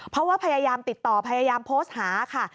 เพราะว่าพยายามติดต่อพยายามโพสต์หาค่ะ